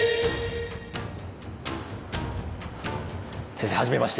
先生はじめまして。